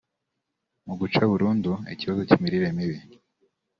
Mu guca burundu ikibazo cy’imirire mibi